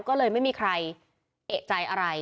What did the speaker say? ก็เลยไม่มีใครเอกใจอะไร